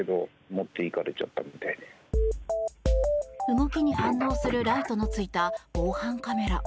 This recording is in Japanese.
動きに反応するライトのついた防犯カメラ。